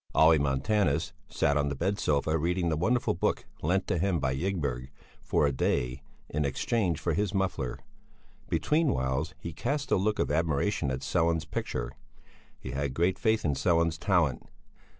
Olle Montanus sat on the bed sofa reading the wonderful book lent to him by Ygberg for a day in exchange for his muffler; betweenwhiles he cast a look of admiration at Sellén's picture. He had great faith in Sellén's talent.